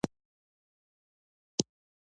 مؤثریت علاقه؛ عمل ذکر سي او مراد ځني آله يي.